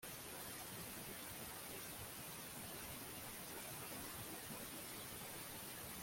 no kubishoreza barabishoreza kandi nabyo ni bibi